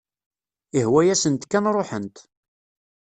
Ihwa-yasent kan ruḥent.